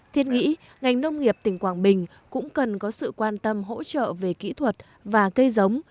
thiết nghĩ ngành nông nghiệp tỉnh quảng bình cũng cần có sự quan tâm hỗ trợ về kỹ thuật và cây giống